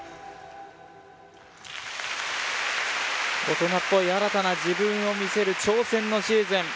大人っぽい新たな自分を見せる挑戦のシーズン